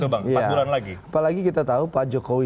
empat bulan lagi apalagi kita tahu pak jokowi